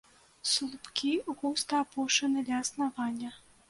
Слупкі густа апушаны ля аснавання.